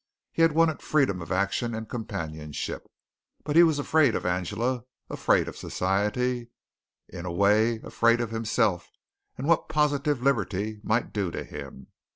He wanted freedom of action and companionship, but he was afraid of Angela, afraid of society, in a way afraid of himself and what positive liberty might do to him.